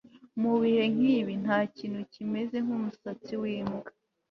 mubihe nkibi, ntakintu kimeze nkumusatsi wimbwa